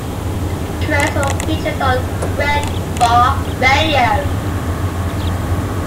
Crows were featured on Red Bar Radio.